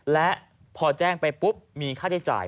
และพอแจ้งไปปุ๊บมีค่าใช้จ่าย